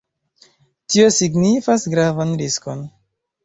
Tio signifis gravan riskon.